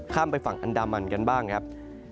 ไปฝั่งอันดามันกันบ้างครับ